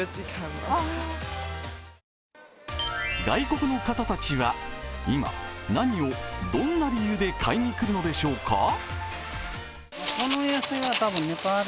外国の方たちは今、何をどんな理由で買いにくるのでしょうか。